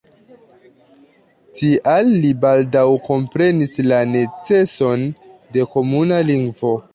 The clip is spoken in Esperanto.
Tial li baldaŭ komprenis la neceson de komuna lingvo.